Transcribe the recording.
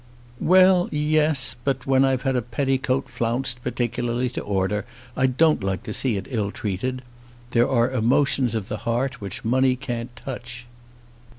"Well; yes; but when I've had a petticoat flounced particularly to order I don't like to see it ill treated. There are emotions of the heart which money can't touch."